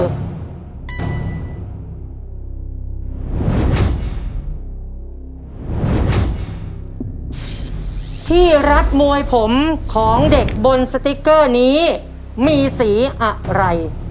ที่รับมวยผมของเด็กบนสติ๊กเกอร์นี้มีสีอะไร